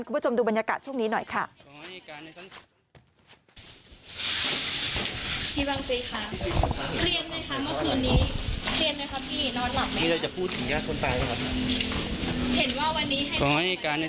คุณผู้ชมดูบรรยากาศช่วงนี้หน่อยค่ะ